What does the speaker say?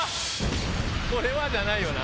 これは⁉じゃないよな。